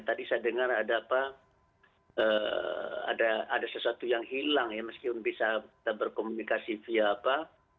tadi saya dengar ada apa ada sesuatu yang hilang ya meskipun bisa berkomunikasi via apa